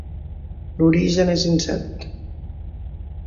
L'origen és incert.